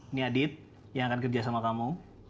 ini adit yang akan kerja sama kamu